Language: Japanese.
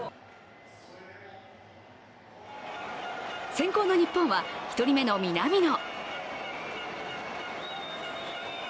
先攻の日本は１人目の南野。